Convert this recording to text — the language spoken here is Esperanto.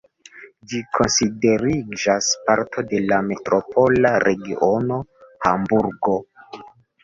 Ĝi konsideriĝas parto de la metropola regiono Hamburgo.